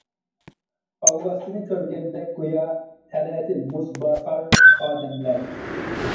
ئالۋاستىنى كۆرگەندەك گويا، تەلەتى مۇز باقار ئادەملەر.